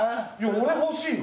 俺欲しいよ。